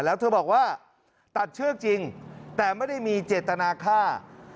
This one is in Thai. แล้วเธอบอกว่าตัดเชือกจริงแต่ไม่ได้มีเจตนาฆ่า